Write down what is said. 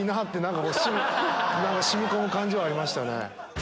染み込む感じはありました。